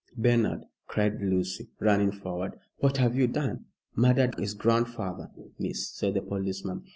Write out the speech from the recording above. "Bernard," cried Lucy, running forward, "what have you done?" "Murdered his grandfather, miss," said the policeman.